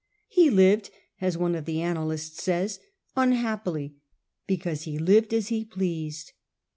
' He lived/ as one of the annal ists says, * unhappily, because he lived as he pleased.'